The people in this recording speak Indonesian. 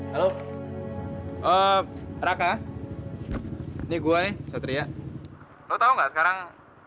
halo raka nih gue satria lo tahu nggak sekarang